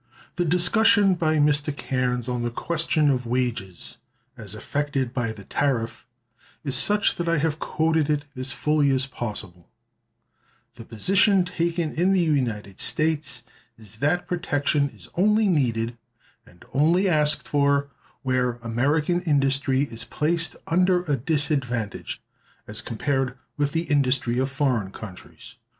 The discussion by Mr. Cairnes on the question of wages as affected by the tariff is such that I have quoted it as fully as possible: "The position taken in the United States is that protection is only needed and only asked for where American industry is placed under a disadvantage, as compared with the industry of foreign countries....